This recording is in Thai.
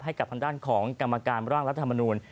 ให้กับทางด้านของกรรมการร่างรัฐมนูล